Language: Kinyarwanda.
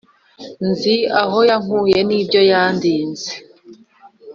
nzi aho yankuye n'ibyo yandinze